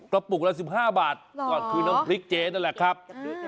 กระปุกละสิบห้าบาทหรอคือน้ำพริกเจนั่นแหละครับอืม